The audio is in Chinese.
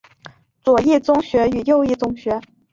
左翼宗学与右翼宗学。